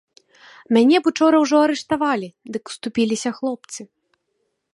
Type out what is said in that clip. Мяне б учора ўжо арыштавалі, дык уступіліся хлопцы.